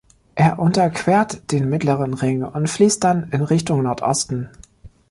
Er unterquert den Mittleren Ring und fließt dann in Richtung Nordosten.